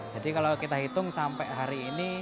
jadi kalau kita hitung sampai hari ini